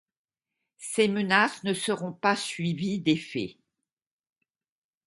Ces menaces ne seront pas suivies d'effets.